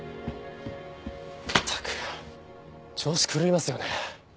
ったく調子狂いますよね。